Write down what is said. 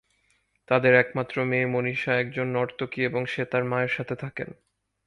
তাদের একমাত্র মেয়ে মনীষা একজন নর্তকী এবং সে তার মায়ের সাথে থাকেন।